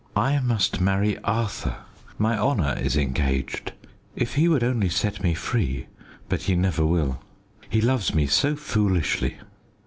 I must marry Arthur. My honour is engaged. If he would only set me free but he never will. He loves me so foolishly.